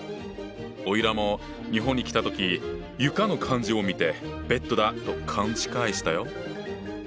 おいらも日本に来た時「床」の漢字を見てベッドだと勘違いしたよ。